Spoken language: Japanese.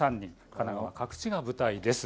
神奈川各地が舞台です。